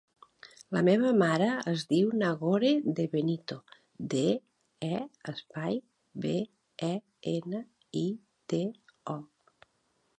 La meva mare es diu Nagore De Benito: de, e, espai, be, e, ena, i, te, o.